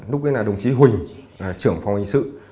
lúc ấy là đồng chí huỳnh trưởng phòng hình sự